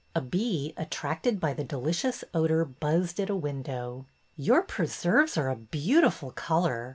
A bee, attracted by the delicious odor, buzzed at a window. '' Your preserves are a beautiful color.